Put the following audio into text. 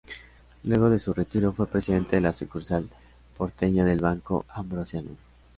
Luego de su retiro fue presidente de la sucursal porteña del Banco Ambrosiano.